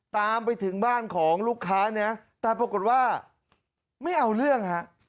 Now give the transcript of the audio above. ตามไปถึงบ้านของลูกค้าเนี่ยแต่ปรากฏว่าไม่เอาเรื่องฮะ